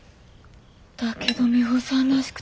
だけどミホさんらしくていい。